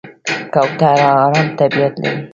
کوتره آرام طبیعت لري.